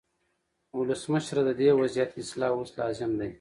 ولسمشره، د دې وضعیت اصلاح اوس لازم دی.